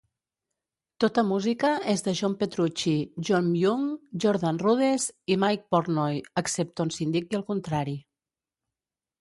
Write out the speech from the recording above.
Tota música és de John Petrucci, John Myung, Jordan Rudess i Mike Portnoy excepte on s'indiqui el contrari.